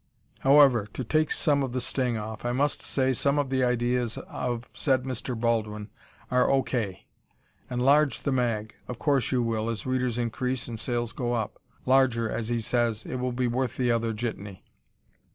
However, to take some of the sting off, I must say some of the ideas of said Mr. Baldwin are O. K. Enlarge the mag of course you will, as readers increase and sales go up. Larger, as he says, "It will be worth the other jitney."